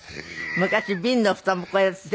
昔瓶の蓋もこうやって。